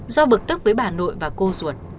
do bực tức với bà nội và cô ruột